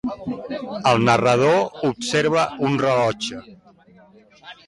El narrador observa un rellotge?